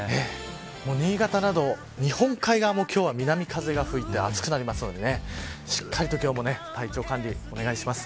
新潟など日本海側も今日は南風が吹いて暑くなりますのでしっかりと今日も体調管理をお願いします。